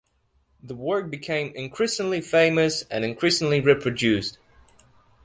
The work became increasingly famous, and increasingly reproduced.